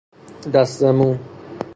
دسته مو